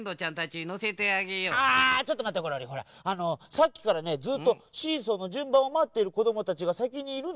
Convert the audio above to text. さっきからねずっとシーソーのじゅんばんをまってるこどもたちがさきにいるんですよ。